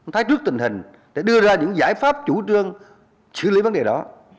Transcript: thấy trước tình hình để đưa ra những giải pháp chủ trương xử lý vấn đề đó